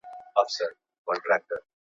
تاوانونه به په ګټه بدل شي.